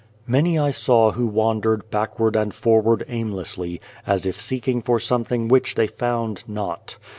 Many I saw who wandered backward and forward aimlessly, as if seeking for some thing which they found not.